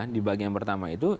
di bagian pertama itu